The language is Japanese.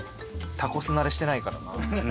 タコス慣れしてないからな。